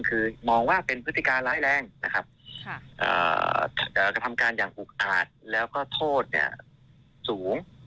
คือมองว่าเป็นพฤติการร้ายแรงนะครับกระทำการอย่างอุกอาจแล้วก็โทษสูง